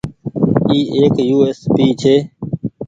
اي ايڪ يو ايس پي ڇي۔